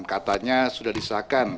katanya sudah disahkan